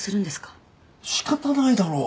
仕方ないだろう！